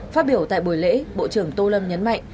phát biểu tại buổi lễ bộ trưởng tô lâm nhấn mạnh